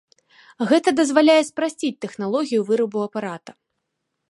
Гэта дазваляе спрасціць тэхналогію вырабу апарата.